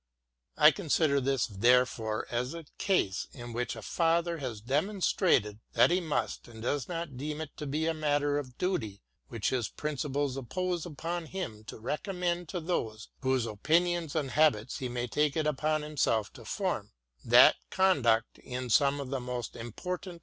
I consider this therefore as a case in which a father has demonstrated that he must and does deem it to be a matter of duty which his principles impose upon him to recommend to those whose opinions and habits he may take upon himself to form, that conduct in some of the most important